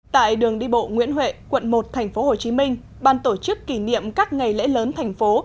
tại đường đi bộ nguyễn huệ quận một thành phố hồ chí minh ban tổ chức kỷ niệm các ngày lễ lớn thành phố